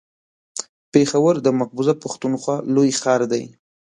پېښور د مقبوضه پښتونخوا لوی ښار دی.